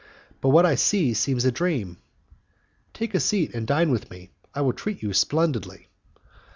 But what I see seems a dream." "Take a seat, and dine with me. I will treat you splendidly."